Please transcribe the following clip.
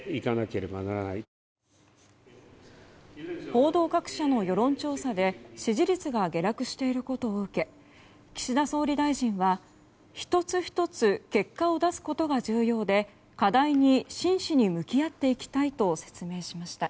報道各社の世論調査で支持率が下落していることを受け岸田総理大臣は１つ１つ結果を出すことが重要で課題に真摯に向き合っていきたいと説明しました。